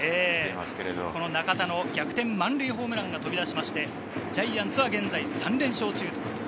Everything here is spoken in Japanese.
中田の逆転満塁ホームランも飛び出して、ジャイアンツは現在３連勝中。